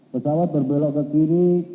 pesawat berbelok ke kiri